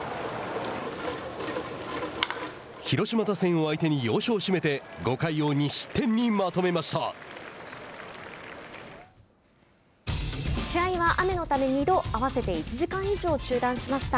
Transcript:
広島打線を相手に要所を締めて５回を２失点にまとめました。